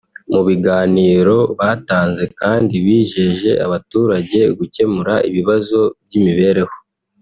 Mu biganiro batanze kandi bijeje abaturage gukemura ibibazo by’imibereho